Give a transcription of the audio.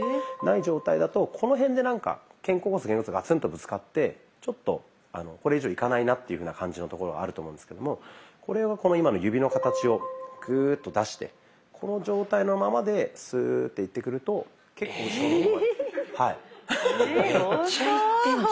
ない状態だとこの辺でなんか肩甲骨と肩甲骨がガツンとぶつかってちょっとこれ以上いかないなっていういうふうな感じのところがあると思うんですけどもこれを今の指の形をグーッと出してこの状態のままでスーッていってくると結構後ろの方まで。